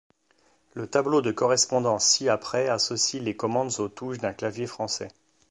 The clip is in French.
Le tableau de correspondance ci-après associe les commandes aux touches d'un clavier français.